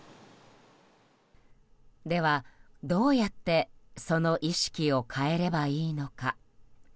では、どうやってその意識を変えればいいのか。